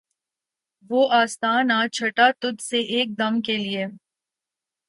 وہ آستاں نہ چھٹا تجھ سے ایک دم کے لیے